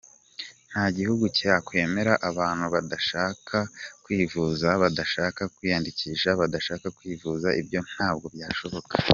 Nta gihugu cyakwemera abantu badashaka kwivuza, badashaka kwiyandikisha, badashaka kwivuza, ibyo ntabwo byashoboka.